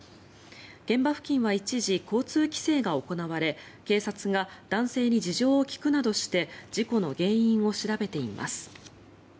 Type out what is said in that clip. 現場付近は一時交通規制が行われ警察が男性に事情を聴くなどして事故の原因を調べています。